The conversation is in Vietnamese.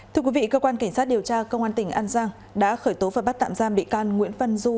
thưa quý vị cơ quan cảnh sát điều tra công an tỉnh an giang đã khởi tố và bắt tạm giam bị can nguyễn văn du